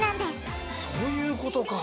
そういうことか！